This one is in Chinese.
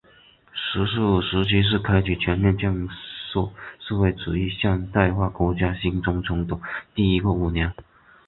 “十四五”时期是开启全面建设社会主义现代化国家新征程的第一个五年。